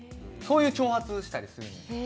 そういう挑発したりするんですけど。